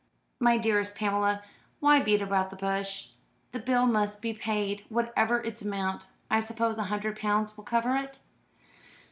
"My dearest Pamela, why beat about the bush? The bill must be paid, whatever its amount. I suppose a hundred pounds will cover it?"